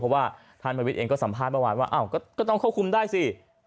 เพราะว่าท่านบริวิตเองก็สัมภาษณ์เมื่อวานว่าก็ต้องเข้าคุมได้สิ